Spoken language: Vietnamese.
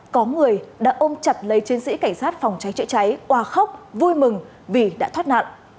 có người đã ôm chặt lấy chiến sĩ cảnh sát phòng cháy chữa cháy qua khóc vui mừng vì đã thoát nạn